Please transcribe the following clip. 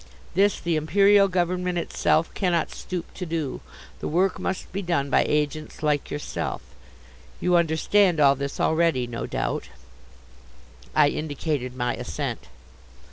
This the Imperial Government itself cannot stoop to do. The work must be done by agents like yourself. You understand all this already, no doubt?" I indicated my assent.